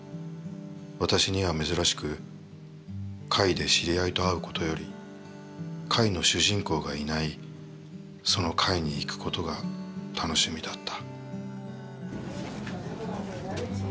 私には珍しく、会で知り合いと会うことより会の主人公がいないその会に行くことが楽しみだった」。